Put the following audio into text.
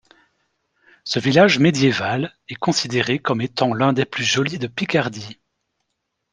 Ce village médiéval est considéré comme étant l'un des plus jolis de Picardie.